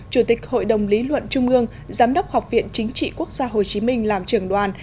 chủ tịch hội đồng lý luận trung ương giám đốc học viện chính trị quốc gia hồ chí minh làm trưởng đoàn